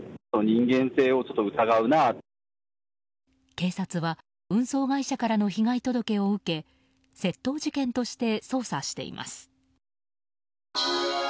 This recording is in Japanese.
警察は運送会社からの被害届を受け窃盗事件として捜査しています。